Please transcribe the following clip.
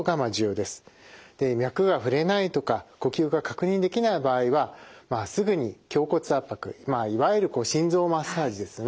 で脈が触れないとか呼吸が確認できない場合はすぐに胸骨圧迫まあいわゆる心臓マッサージですよね